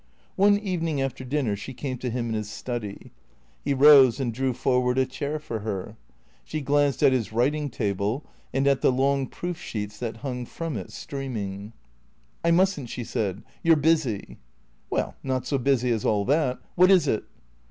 One evening after dinner she came to him in his study. He rose and drew forward a chair for her. She glanced at his writing table and at the long proof sheets that hung from it, streaming. " I must n't," she said. " You 're busy." "Well — not so busy as all that. What is it?"